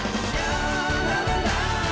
cintaku tak harus